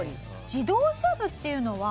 自動車部っていうのは？